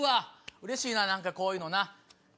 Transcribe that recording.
うれしいな何かこういうのな。